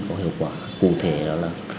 mình có hiệu quả cụ thể đó là